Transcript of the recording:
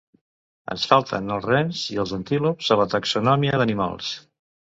Ens falten els rens i els antílops a la taxonomia d'animals.